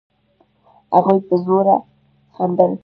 هغوی په زوره خندل.